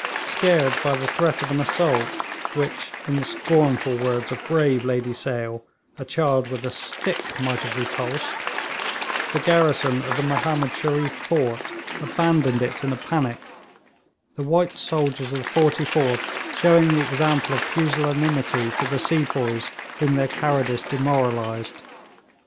Scared by the threat of an assault, which, in the scornful words of brave Lady Sale, a child with a stick might have repulsed, the garrison of the Mahomed Shereef fort abandoned it in a panic, the white soldiers of the 44th showing the example of pusillanimity to the sepoys whom their cowardice demoralised.